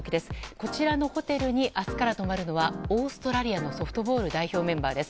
こちらのホテルに明日から泊まるのはオーストラリアのソフトボール代表メンバーです。